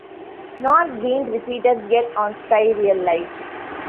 Not been repeated yet on Sky Real Lives.